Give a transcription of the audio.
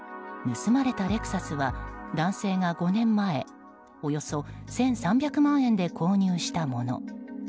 盗まれたレクサスは男性が５年前およそ１３００万円で購入したもの。